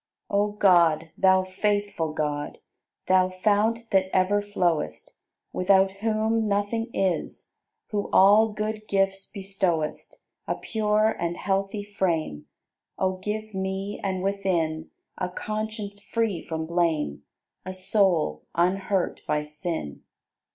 81. O God, Thou faithful God, Thou Fount that ever flowest, Without whom nothing is, Who all good gifts bestowest: A pure and healthy frame O give me and within A conscience free from blame, A soul unhurt by sin.